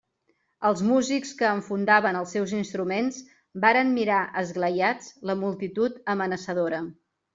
Els músics que enfundaven els seus instruments varen mirar esglaiats la multitud amenaçadora.